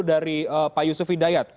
dari pak yusuf hidayat